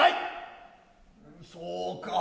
そうか。